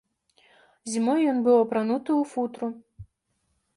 Зімою ён быў апрануты ў футру.